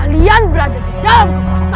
kalian berada di dalam kekuasaan